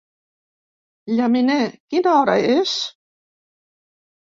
Llaminer, quina hora és?